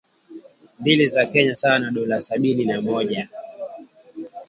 mbili za Kenya sawa na dola sabini na moja